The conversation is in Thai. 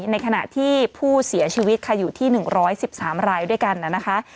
ในขณะที่ผู้เสียชีวิตค่ะอยู่ที่๑๑๓รายด้วยกันนะคะ